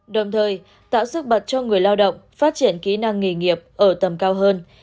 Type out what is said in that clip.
đồng thời tạo sức bật cho người lao động phát triển kỹ năng nghề nghiệp ở tầm cao hơn